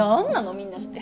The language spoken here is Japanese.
みんなして。